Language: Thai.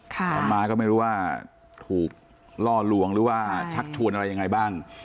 ต่อมาก็ไม่รู้ว่าถูกล่อลวงหรือว่าชักชวนอะไรยังไงบ้าง